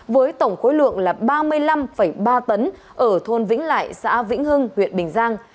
với tổng khối lượng là ba mươi năm ba tấn ở thôn vĩnh lại xã vĩnh hưng huyện bình giang